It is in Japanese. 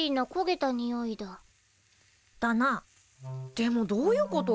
でもどういうこと？